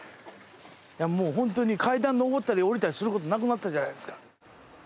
もうホントに階段上ったり下りたりすることなくなったじゃないですか。